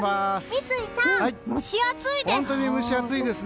三井さん、蒸し暑いです。